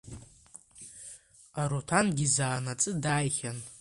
Аруҭангьы заанаҵы дааихьан.